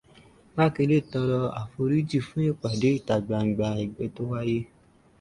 Mákindé tọrọ àforíjì fún ìpàdé ìta gbangba ẹgbẹ́ tó wáyé.